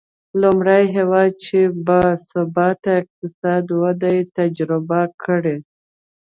لومړی هېواد چې با ثباته اقتصادي وده یې تجربه کړې.